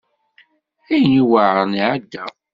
Ayen iweɛṛen iɛedda.